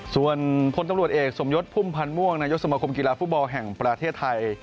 ส่วนพลตำรวจเอกสมยศพุ่มพันธ์ม่วงนายกสมคมกีฬาฟุตบอลแห่งประเทศไทย